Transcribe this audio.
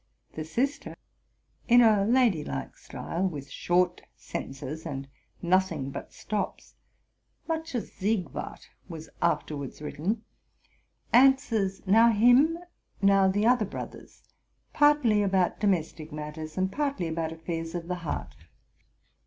The sister, in a ladylike style, with short sentences and nothing but stops, much as '* Siegwart'' was afterwards written, answers now him, now the other brothers, partly about domestic matters, and partly about affairs of the heart.